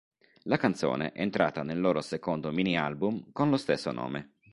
La canzone è entrata nel loro secondo mini-album con lo stesso nome.